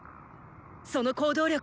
その行動力！